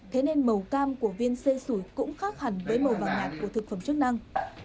thế nên màu cam của viên xê sủi cũng khác hẳn với màu vàng nhạt của thực phẩm chức năng